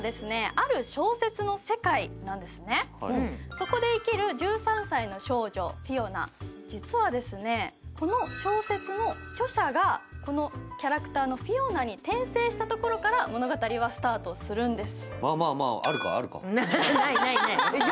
そこで生きる１３歳の少女、フィオナ、実は、この小説の著者が、このキャラクターのフィオナに転生したところから、物語はスタートするんです。